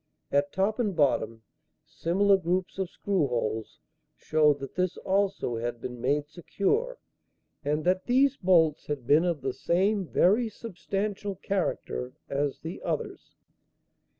At top and bottom, similar groups of screw holes showed that this also had been made secure, and that these bolts had been of the same very substantial character as the others.